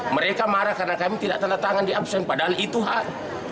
mereka marah karena kami tidak tanda tangan di absen padahal itu hak